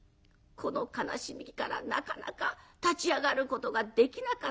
この悲しみからなかなか立ち上がることができなかった子。